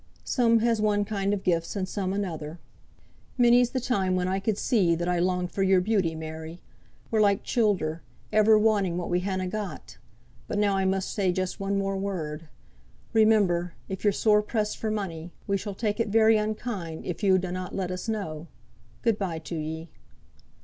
"Some has one kind o' gifts, and some another. Many's the time when I could see, that I longed for your beauty, Mary! We're like childer, ever wanting what we han not got. But now I must say just one more word. Remember, if you're sore pressed for money, we shall take it very unkind if you donnot let us know. Good bye to ye."